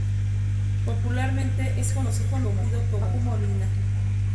Popularmente es conocido como "Mao Molina".